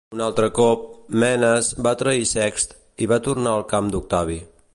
Un altre cop, Menes va trair Sext i va tornar al camp d'Octavi.